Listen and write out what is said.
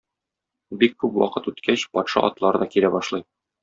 Бик күп вакыт үткәч, патша атлары да килә башлый.